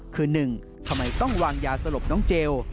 คือ๑ทำไมต้องวางยาสลบน้องเจล